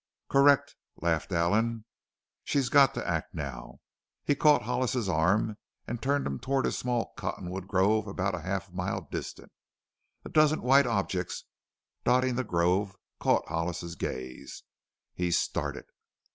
"Correct!" laughed Allen. "She's got to act now." He caught Hollis's arm and turned him toward a small cottonwood grove about half a mile distant. A dozen white objects dotting the grove caught Hollis's gaze. He started.